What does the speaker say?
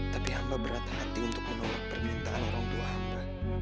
tapi hamba berat hati untuk menolak permintaan orang tua hamba